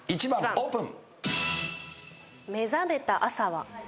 オープン。